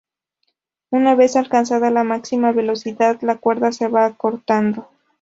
Una vez alcanzada la máxima velocidad la cuerda se va acortando.